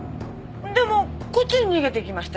でもこっちに逃げていきましたよ。